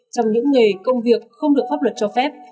trong những nghề công việc không được pháp luật cho phép